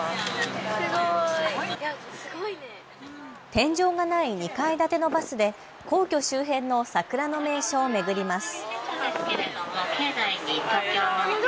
天井がない２階建てのバスで皇居周辺の桜の名所を巡ります。